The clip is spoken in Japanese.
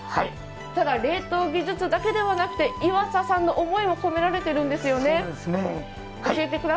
ただ、冷凍技術だけではなくてイワサさんの思いも込められているんですよね。